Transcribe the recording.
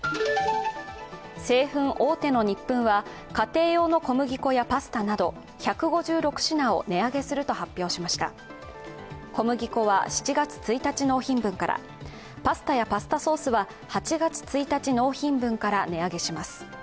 製粉大手のニップンは家庭用の小麦粉やパスタなど１５６品を値上げすると発表しました小麦粉は７月１日納品分からパスタやパスタソースは８月１日納品分から値上げします。